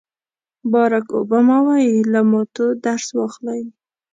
باراک اوباما وایي له ماتو درس واخلئ.